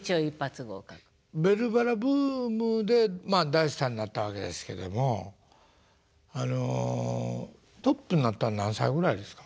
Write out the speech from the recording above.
「ベルばら」ブームで大スターになったわけですけどもあのトップになったん何歳ぐらいですか？